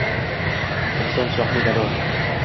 Inson shohmi, gado